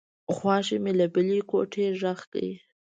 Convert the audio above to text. خواښې مې له بلې کوټې غږ کړ.